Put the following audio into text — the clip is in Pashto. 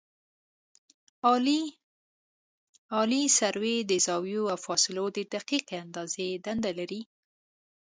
عالي سروې د زاویو او فاصلو د دقیقې اندازې دنده لري